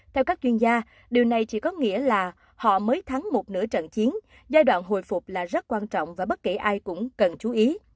theo các chuyên gia điều này chỉ có nghĩa là họ mới thắng một nửa trận chiến giai đoạn hồi phục là rất quan trọng và bất kể ai cũng cần chú ý